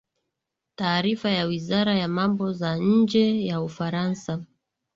taarifa ya wizara ya mambo za nje ya ufaransa